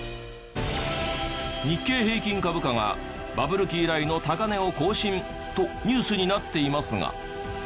日経平均株価がバブル期以来の高値を更新とニュースになっていますが。